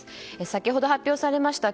先ほど発表されました